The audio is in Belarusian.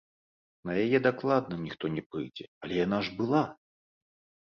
На яе дакладна ніхто не прыйдзе, але яна ж была!